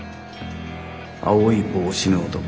青い帽子の男